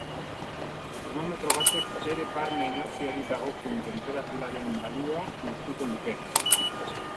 Termometro batek bere barne energiari dagokion tenperaturaren balioa neurtuko luke.